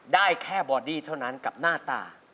ได้แค่บอดี้เท่านั้นกับหน้าตา